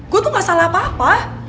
gue tuh gak salah apa apa